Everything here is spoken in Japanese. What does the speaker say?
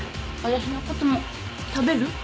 私のことも食べる？